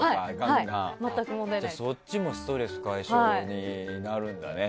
そっちもストレス解消になるんだね。